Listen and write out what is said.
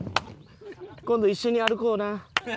今度一緒に歩こうな。